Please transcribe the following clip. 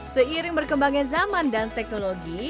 seiring berkembangnya zaman dan teknologi